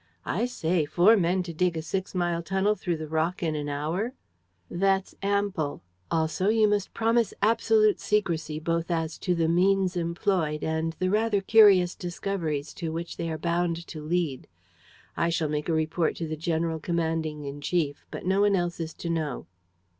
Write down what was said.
"I say! Four men to dig a six mile tunnel through the rock in an hour!" "That's ample. Also, you must promise absolute secrecy both as to the means employed and the rather curious discoveries to which they are bound to lead. I shall make a report to the general commanding in chief; but no one else is to know."